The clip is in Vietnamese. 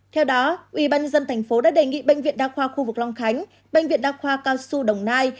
theo đó ubnd tp đã đề nghị bệnh viện đa khoa khu vực long khánh bệnh viện đa khoa cao xu đồng nai